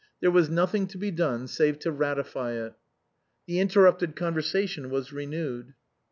There was nothing to be done save to ratify it. The interrupted conversation was renewed.